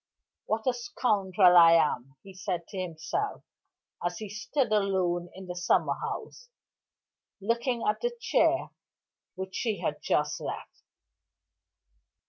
"What a scoundrel I am!" he said to himself as he stood alone in the summer house, looking at the chair which she had just left.